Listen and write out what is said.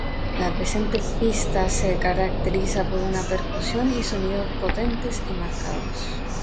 La presente pista se caracteriza por una percusión y sonidos potentes y marcados.